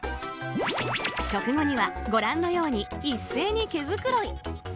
食後にはご覧のように一斉に毛繕い。